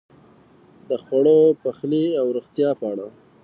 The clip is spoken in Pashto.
د خوړو، پخلی او روغتیا په اړه: